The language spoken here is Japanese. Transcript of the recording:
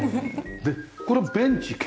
でこれはベンチ兼？